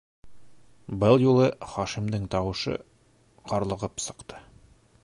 - Был юлы Хашимдың тауышы ҡарлығып сыҡты.